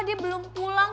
dia belum pulang